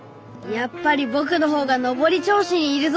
やっぱりぼくの方が昇り調子にいるぞ！